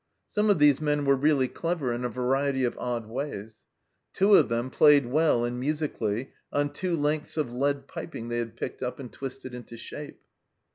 Some of these men were really clever in a variety of odd ways. Two of them played well and music ally on two lengths of lead piping they had picked up and twisted into shape.